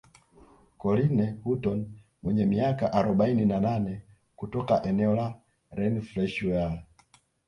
Corinne Hutton mwenye miaka arobaini na nane kutoka eneo la Renfrewshire